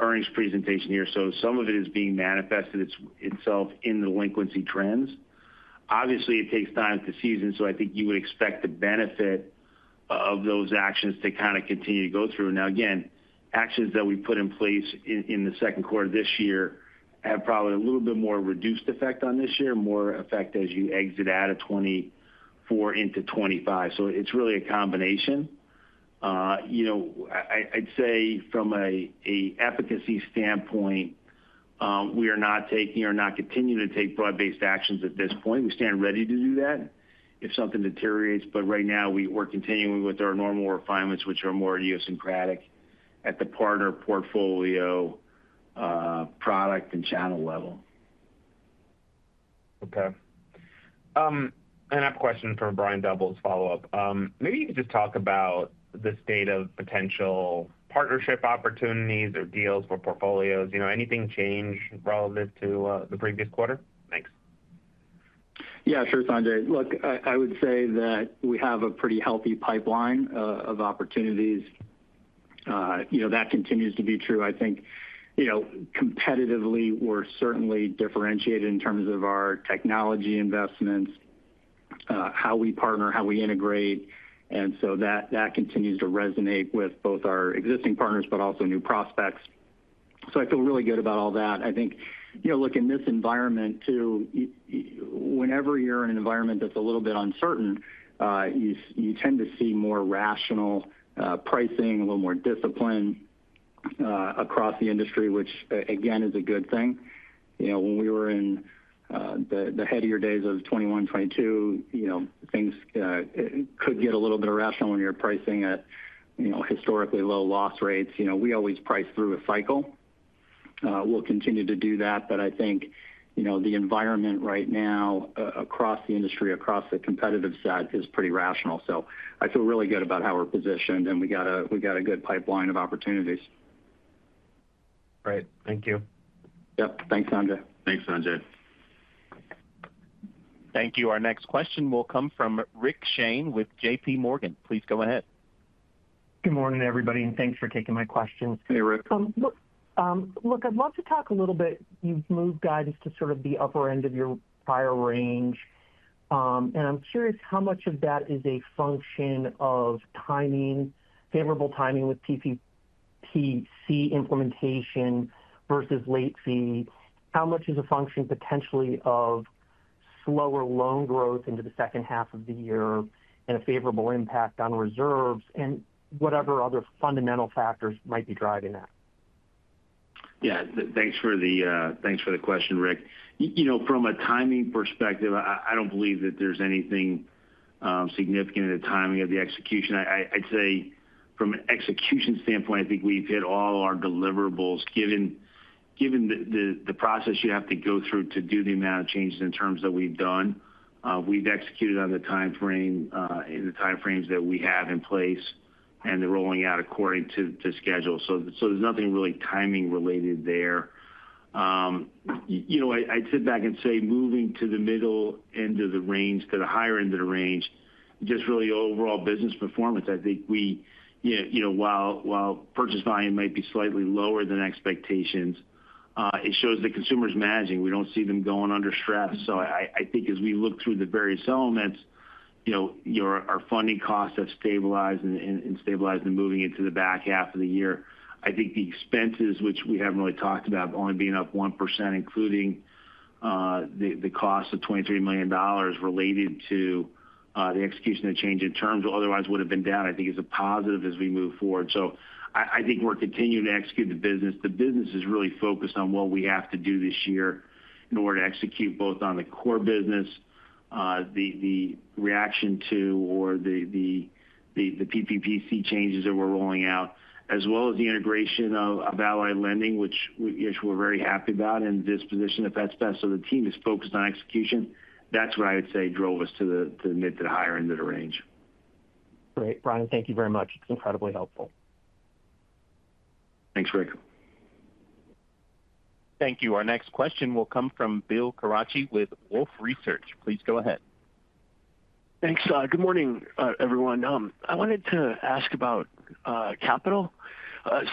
earnings presentation here. So some of it is being manifested itself in delinquency trends. Obviously, it takes time to season, so I think you would expect the benefit of those actions to kind of continue to go through. Now, again, actions that we put in place in the second quarter this year have probably a little bit more reduced effect on this year, more effect as you exit out of 2024 into 2025. So it's really a combination. You know, I, I'd say from a efficacy standpoint, we are not taking or not continuing to take broad-based actions at this point. We stand ready to do that if something deteriorates, but right now we're continuing with our normal refinements, which are more idiosyncratic at the partner portfolio, product and channel level. Okay. I have a question for Brian Doubles, follow-up. Maybe you could just talk about the state of potential partnership opportunities or deals for portfolios. You know, anything change relative to the previous quarter? Thanks. Yeah, sure, Sanjay. Look, I would say that we have a pretty healthy pipeline of opportunities. You know, that continues to be true. I think, you know, competitively, we're certainly differentiated in terms of our technology investments, how we partner, how we integrate, and so that continues to resonate with both our existing partners, but also new prospects. So I feel really good about all that. I think, you know, look, in this environment too, whenever you're in an environment that's a little bit uncertain, you tend to see more rational pricing, a little more discipline across the industry, which again, is a good thing. You know, when we were in the headier days of 2021, 2022, you know, things could get a little bit irrational when you're pricing at historically low loss rates. You know, we always price through a cycle. We'll continue to do that, but I think, you know, the environment right now across the industry, across the competitive set is pretty rational. So I feel really good about how we're positioned, and we got a good pipeline of opportunities. Great. Thank you. Yep. Thanks, Sanjay. Thanks, Sanjay. Thank you. Our next question will come from Rick Shane with J.P. Morgan. Please go ahead. Good morning, everybody, and thanks for taking my questions. Hey, Rick. Look, I'd love to talk a little bit. You've moved guidance to sort of the upper end of your prior range, and I'm curious how much of that is a function of timing, favorable timing with PPPC implementation versus late fee? How much is a function potentially of-... slower loan growth into the second half of the year and a favorable impact on reserves, and whatever other fundamental factors might be driving that? Yeah, thanks for the question, Rick. You know, from a timing perspective, I don't believe that there's anything significant in the timing of the execution. I'd say from an execution standpoint, I think we've hit all our deliverables. Given the process you have to go through to do the amount of changes in terms that we've done, we've executed on the time frame in the time frames that we have in place, and they're rolling out according to schedule. So there's nothing really timing related there. You know, I, I'd sit back and say, moving to the middle end of the range, to the higher end of the range, just really overall business performance. I think we, you know, while purchase volume might be slightly lower than expectations, it shows the consumer's managing. We don't see them going under stress. So I think as we look through the various elements, you know, our funding costs have stabilized and stabilized and moving into the back half of the year. I think the expenses, which we haven't really talked about, only being up 1%, including the cost of $23 million related to the execution of change in terms, otherwise would've been down, I think is a positive as we move forward. So I think we're continuing to execute the business. The business is really focused on what we have to do this year in order to execute both on the core business, the reaction to the PPPC changes that we're rolling out, as well as the integration of Ally Lending, which we're very happy about, and disposition if that's best. So the team is focused on execution. That's what I would say drove us to the higher end of the range. Great, Brian, thank you very much. It's incredibly helpful. Thanks, Rick. Thank you. Our next question will come from Bill Carcache with Wolfe Research. Please go ahead. Thanks. Good morning, everyone. I wanted to ask about capital.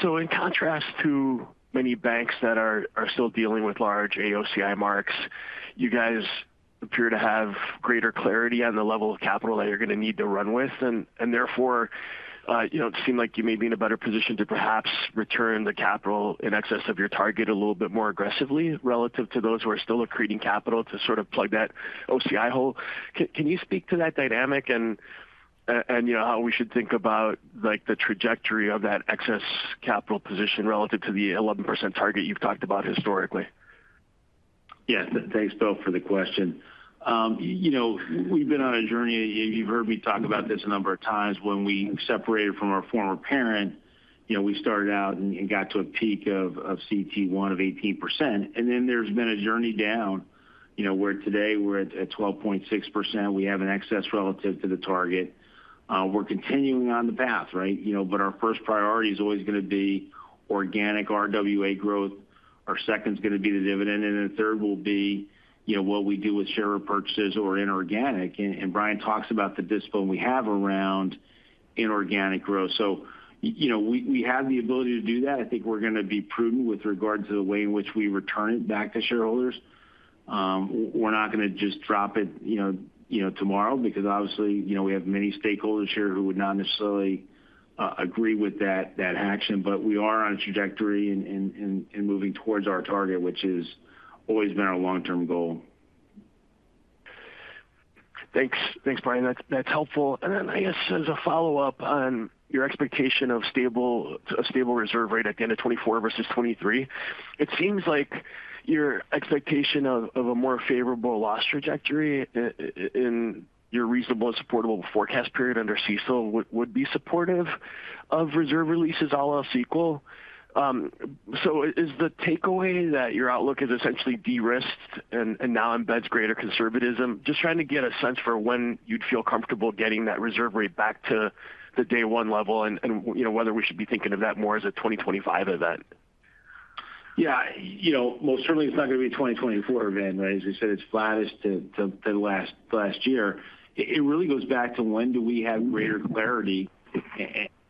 So in contrast to many banks that are still dealing with large AOCI marks, you guys appear to have greater clarity on the level of capital that you're going to need to run with, and therefore, you know, it seem like you may be in a better position to perhaps return the capital in excess of your target a little bit more aggressively relative to those who are still accreting capital to sort of plug that OCI hole. Can you speak to that dynamic and, you know, how we should think about, like, the trajectory of that excess capital position relative to the 11% target you've talked about historically? Yeah. Thanks, Bill, for the question. You know, we've been on a journey, and you've heard me talk about this a number of times. When we separated from our former parent, you know, we started out and got to a peak of CET1 of 18%, and then there's been a journey down, you know, where today we're at 12.6%. We have an excess relative to the target. We're continuing on the path, right? You know, but our first priority is always going to be organic RWA growth. Our second is going to be the dividend, and then third will be, you know, what we do with share repurchases or inorganic. And Brian talks about the discipline we have around inorganic growth. So you know, we have the ability to do that. I think we're going to be prudent with regard to the way in which we return it back to shareholders. We're not going to just drop it, you know, you know, tomorrow, because obviously, you know, we have many stakeholders here who would not necessarily agree with that, that action. But we are on a trajectory and moving towards our target, which has always been our long-term goal. Thanks. Thanks, Brian. That's helpful. And then I guess as a follow-up on your expectation of a stable reserve rate at the end of 2024 versus 2023, it seems like your expectation of a more favorable loss trajectory in your reasonable and supportable forecast period under CECL would be supportive of reserve releases, all else equal. So is the takeaway that your outlook is essentially de-risked and now embeds greater conservatism? Just trying to get a sense for when you'd feel comfortable getting that reserve rate back to the day one level and, you know, whether we should be thinking of that more as a 2025 event. Yeah. You know, well, certainly it's not going to be a 2024 event, right? As we said, it's flattish to last year. It really goes back to when do we have greater clarity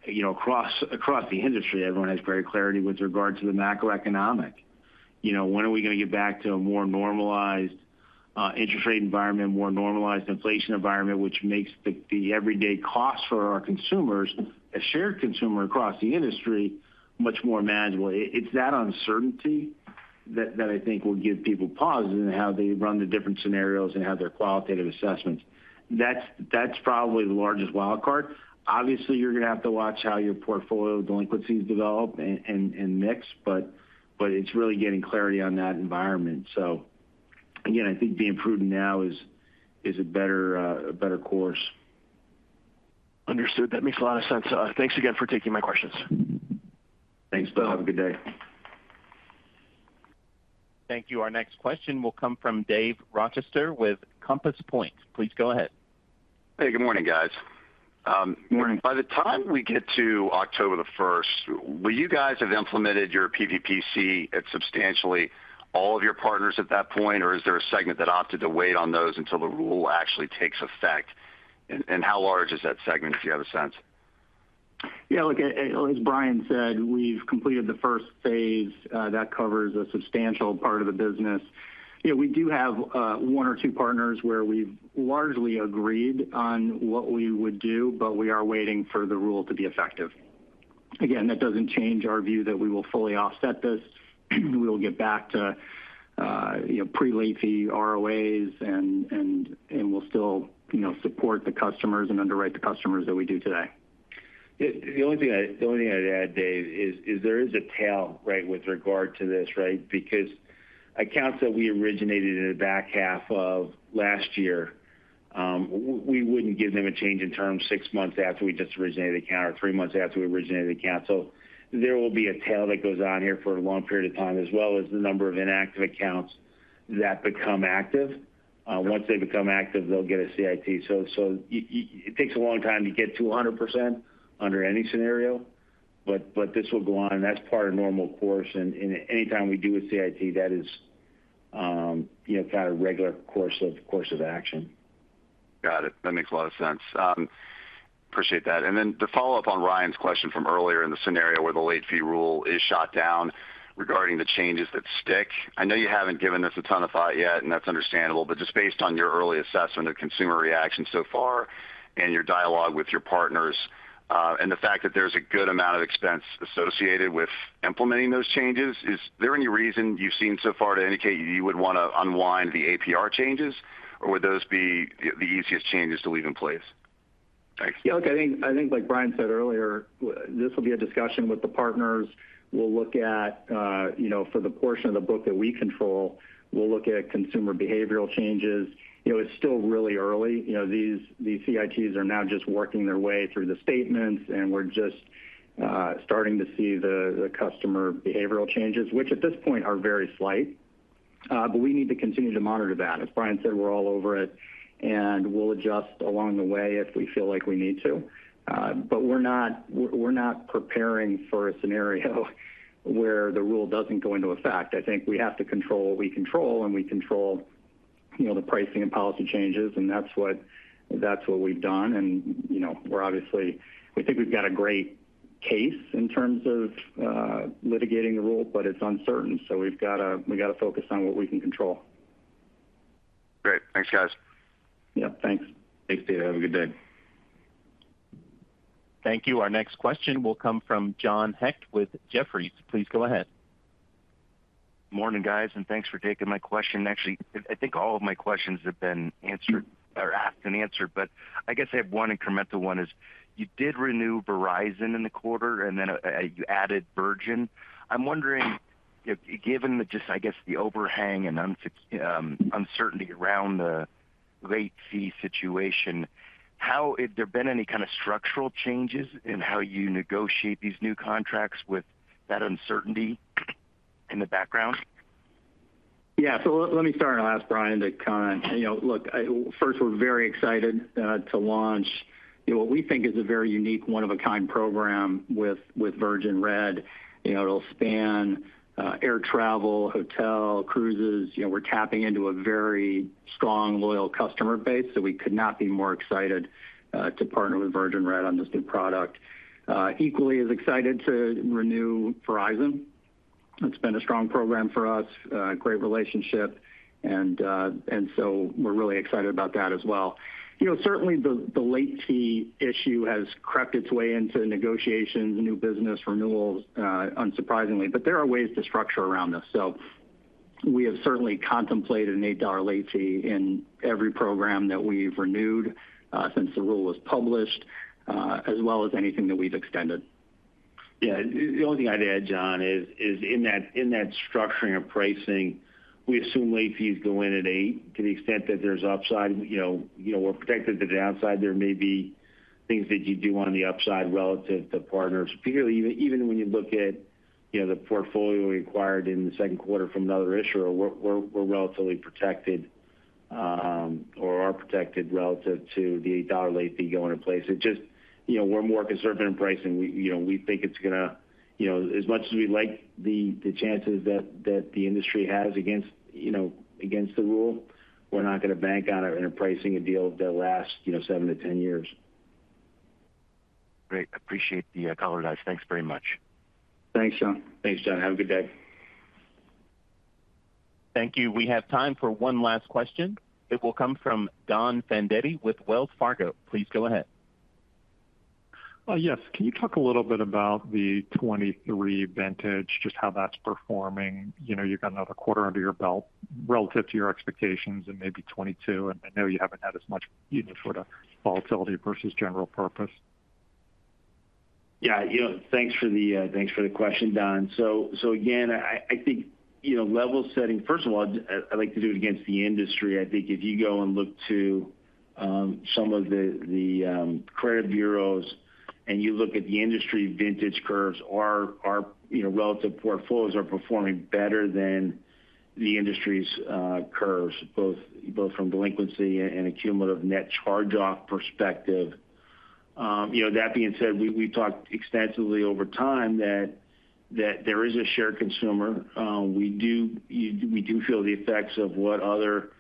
you know across the industry, everyone has greater clarity with regard to the macroeconomic. You know, when are we going to get back to a more normalized interest rate environment, a more normalized inflation environment, which makes the everyday costs for our consumers, a shared consumer across the industry, much more manageable? It's that uncertainty that I think will give people pause in how they run the different scenarios and how their qualitative assessments. That's probably the largest wild card. Obviously, you're going to have to watch how your portfolio delinquencies develop and mix, but it's really getting clarity on that environment. So again, I think being prudent now is a better course. Understood. That makes a lot of sense. Thanks again for taking my questions. Thanks, Bill. Have a good day. Thank you. Our next question will come from Dave Rochester with Compass Point. Please go ahead. Hey, good morning, guys. Good morning. By the time we get to October 1st, will you guys have implemented your PPPC at substantially all of your partners at that point, or is there a segment that opted to wait on those until the rule actually takes effect? And, and how large is that segment, if you have a sense? Yeah, look, as Brian said, we've completed the first phase, that covers a substantial part of the business. You know, we do have one or two partners where we've largely agreed on what we would do, but we are waiting for the rule to be effective.. again, that doesn't change our view that we will fully offset this. We will get back to, you know, pre-late fee ROAs, and we'll still, you know, support the customers and underwrite the customers that we do today. The only thing I'd add, Dave, is a tail, right? With regard to this, right? Because accounts that we originated in the back half of last year, we wouldn't give them a change in terms six months after we just originated the account or three months after we originated the account. So there will be a tail that goes on here for a long period of time, as well as the number of inactive accounts that become active. Once they become active, they'll get a CIT. So it takes a long time to get to 100% under any scenario, but this will go on, and that's part of normal course. And anytime we do a CIT, that is, you know, kind of regular course of action. Got it. That makes a lot of sense. Appreciate that, and then to follow up on Ryan's question from earlier in the scenario where the late fee rule is shot down regarding the changes that stick. I know you haven't given this a ton of thought yet, and that's understandable. But just based on your early assessment of consumer reaction so far and your dialogue with your partners, and the fact that there's a good amount of expense associated with implementing those changes, is there any reason you've seen so far to indicate you would want to unwind the APR changes, or would those be the, the easiest changes to leave in place? Thanks. Yeah, look, I think, like Brian said earlier, this will be a discussion with the partners. We'll look at, you know, for the portion of the book that we control, we'll look at consumer behavioral changes. You know, it's still really early. You know, these CITs are now just working their way through the statements, and we're just starting to see the customer behavioral changes, which at this point are very slight. But we need to continue to monitor that. As Brian said, we're all over it, and we'll adjust along the way if we feel like we need to. But we're not preparing for a scenario where the rule doesn't go into effect. I think we have to control what we control, and we control, you know, the pricing and policy changes, and that's what, that's what we've done. And, you know, we're obviously, we think we've got a great case in terms of litigating the rule, but it's uncertain, so we've got to... We've got to focus on what we can control. Great. Thanks, guys. Yep, thanks. Thanks, Dave. Have a good day. Thank you. Our next question will come from John Hecht with Jefferies. Please go ahead. Morning, guys, and thanks for taking my question. Actually, I think all of my questions have been answered or asked and answered, but I guess I have one incremental one: you did renew Verizon in the quarter, and then you added Virgin. I'm wondering, if given the just, I guess, the overhang and uncertainty around the late fee situation, have there been any kind of structural changes in how you negotiate these new contracts with that uncertainty in the background? Yeah, so let me start, and I'll ask Brian to comment. You know, look, I first, we're very excited to launch what we think is a very unique, one-of-a-kind program with Virgin Red. You know, it'll span air travel, hotel, cruises. You know, we're tapping into a very strong, loyal customer base, so we could not be more excited to partner with Virgin Red on this new product. Equally as excited to renew Verizon. It's been a strong program for us, a great relationship, and so we're really excited about that as well. You know, certainly the late fee issue has crept its way into negotiations, new business, renewals, unsurprisingly, but there are ways to structure around this. We have certainly contemplated an $8 late fee in every program that we've renewed since the rule was published as well as anything that we've extended. Yeah, the only thing I'd add, John, is in that structuring of pricing, we assume late fees go in at 8. To the extent that there's upside, you know, we're protected to the downside. There may be things that you do on the upside relative to partners. Clearly, even when you look at, you know, the portfolio we acquired in the second quarter from another issuer, we're relatively protected, or are protected relative to the $8 late fee going in place. It just... You know, we're more conservative in pricing. We, you know, we think it's gonna, you know, as much as we like the chances that the industry has against the rule, we're not going to bank on it in pricing a deal that'll last, you know, 7 to 10 years. Great. I appreciate the color, guys. Thanks very much. Thanks, John. Thanks, John. Have a good day. Thank you. We have time for one last question. It will come from Don Fandetti with Wells Fargo. Please go ahead. Yes. Can you talk a little bit about the 2023 vintage, just how that's performing? You know, you've got another quarter under your belt relative to your expectations and maybe 2022, and I know you haven't had as much, you know, sort of, volatility versus general purpose. Yeah, you know, thanks for the thanks for the question, Don. So again, I think, you know, level setting, first of all, I'd like to do it against the industry. I think if you go and look to some of the credit bureaus, and you look at the industry vintage curves, our you know, relative portfolios are performing better than the industry's curves, both from delinquency and a cumulative net charge-off perspective. You know, that being said, we've talked extensively over time that there is a shared consumer. We do feel the effects of what other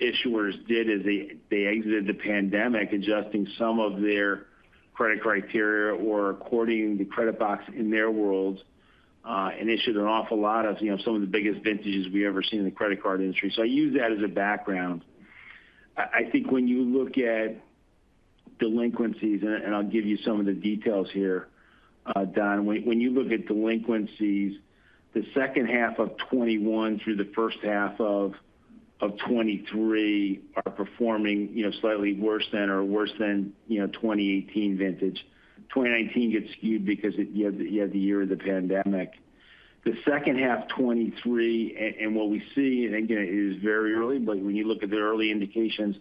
issuers did as they exited the pandemic, adjusting some of their credit criteria or according to the credit box in their worlds, and issued an awful lot of, you know, some of the biggest vintages we've ever seen in the credit card industry, so I use that as a background. I think when you look at delinquencies, and I'll give you some of the details here, Don. When you look at delinquencies, the second half of 2021 through the first half of 2023 are performing, you know, slightly worse than or worse than, you know, 2018 vintage. 2019 gets skewed because you had the year of the pandemic. The second half 2023 and what we see, and again, it is very early, but when you look at the early indications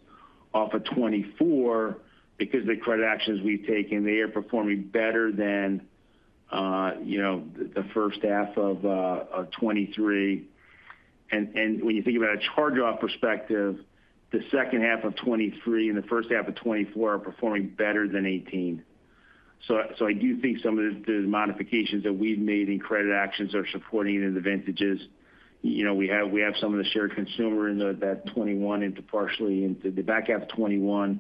off of 2024, because of the credit actions we've taken, they are performing better than, you know, the first half of 2023. And when you think about a charge-off perspective, the second half of 2023 and the first half of 2024 are performing better than 2018. So I do think some of the modifications that we've made in credit actions are supporting the vintages. You know, we have some of the shared consumer in that 2021 into partially into the back half of 2021,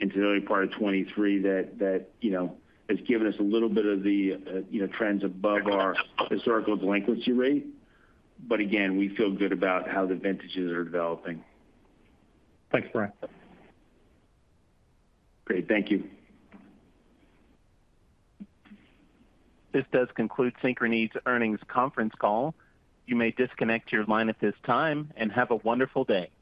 into the early part of 2023 that, you know, has given us a little bit of the, you know, trends above our historical delinquency rate. But again, we feel good about how the vintages are developing. Thanks, Brian. Great. Thank you. This does conclude Synchrony's Earnings Conference Call. You may disconnect your line at this time, and have a wonderful day.